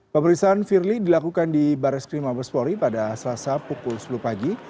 pemeriksaan firly dilakukan di baris krim mabespori pada selasa pukul sepuluh pagi